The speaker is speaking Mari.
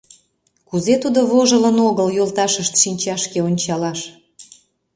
Кузе тудо вожылын огыл йолташышт шинчашке ончалаш?